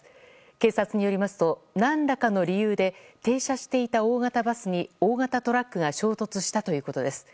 警察によりますと何らかの理由で停車していた大型バスに大型トラックが衝突したということです。